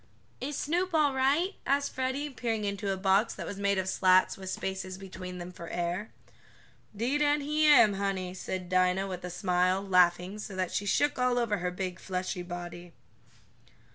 "Is Snoop all right?" asked Freddie, peering into a box that was made of slats, with spaces between them for air. "'Deed an' he am, honey," said Dinah with a smile, laughing so that she shook all over her big, fleshy body.